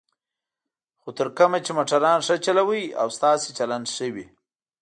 خو تر کومه چې موټران ښه چلوئ او ستاسو چلند ښه وي.